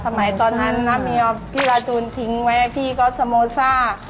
สมัยตอนนั้นน่ะมีพี่ป์ราจูนทิ้งให้พี่ก็สาโมซา